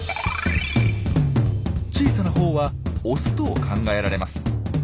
小さなほうはオスと考えられます。